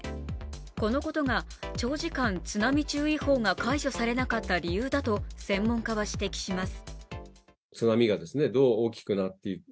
このことが長時間、津波注意報が解除されなかった理由だと専門家は指摘します